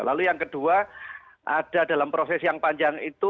lalu yang kedua ada dalam proses yang panjang itu